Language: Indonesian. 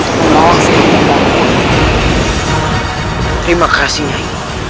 terima kasih nyai